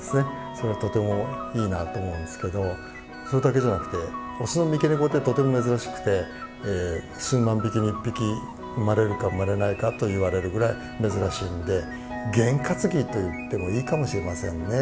それがとてもいいなと思うんですけどそれだけじゃなくてオスの三毛ネコってとても珍しくて数万匹に一匹生まれるか生まれないかといわれるぐらい珍しいんでゲン担ぎといってもいいかもしれませんね。